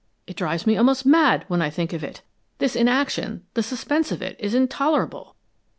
It drives me almost mad when I think of it! This inaction, the suspense of it, is intolerable."